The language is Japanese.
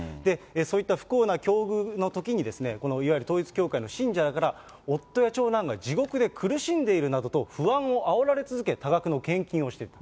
そういった不幸な境遇のときにですね、このいわゆる統一教会の信者らから、夫や長男が地獄で苦しんでいるなどと不安をあおられ続け、多額の献金をしていく。